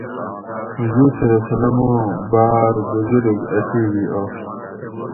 حضور (ص) آں باۤر بزرگ اصحیبی آش